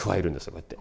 こうやって。